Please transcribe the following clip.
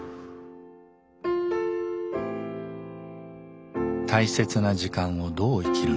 大切な時間をどう生きるのか。